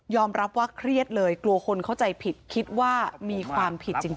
รับว่าเครียดเลยกลัวคนเข้าใจผิดคิดว่ามีความผิดจริง